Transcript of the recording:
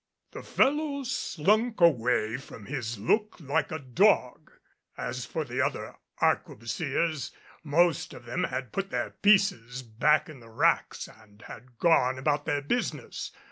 The fellow slunk away from his look like a dog. As for the other arquebusiers, most of them had put their pieces back in the racks, and had gone about their business.